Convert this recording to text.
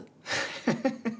フフフフ！